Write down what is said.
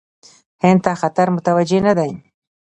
هند ته خطر متوجه نه دی.